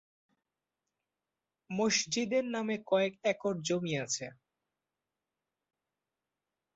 মসজিদের নামে কয়েক একর জমি আছে।